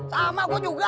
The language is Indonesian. sama gue juga